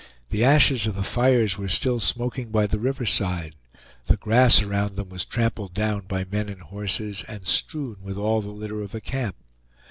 The ashes of the fires were still smoking by the river side; the grass around them was trampled down by men and horses, and strewn with all the litter of a camp.